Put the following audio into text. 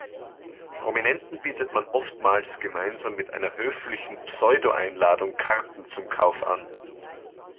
Prominenten bietet man oftmals gemeinsam mit einer höflichen Pseudo-Einladung Karten zum Kauf an.